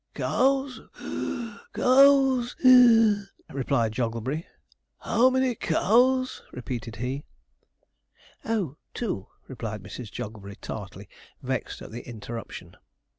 'Cows (puff), cows (wheeze)?' replied Jogglebury; 'how many cows?' repeated he. 'Oh, two,' replied Mrs. Jogglebury tartly, vexed at the interruption.